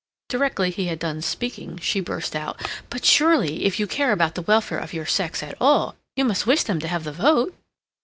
Directly he had done speaking she burst out: "But surely, if you care about the welfare of your sex at all, you must wish them to have the vote?"